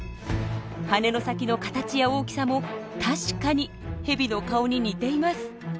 羽の先の形や大きさも確かにヘビの顔に似ています。